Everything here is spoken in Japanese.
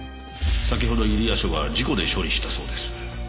先ほど入谷署が事故で処理したそうです。